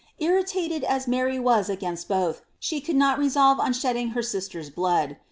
Irritated at Mary was against both, she could not resolve on shedding her sister s blood.